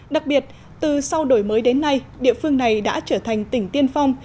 đặc biệt từ sau đổi mới đến nay địa phương này đã trở thành tỉnh tiên phong